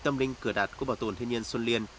tâm linh cửa đạt của bảo tồn thiên nhiên xuân liên